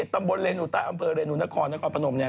ตำบลเรนูใต้อำเภอเรนูนครจังหวัดนครพนมนี้